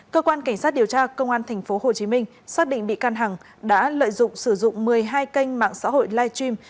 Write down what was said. cơ quan cảnh sát điều tra công an tp hcm xác định bị can hằng đã lợi dụng sử dụng một mươi hai kênh mạng xã hội live stream